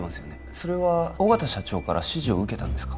それは緒方社長から指示を受けたんですか？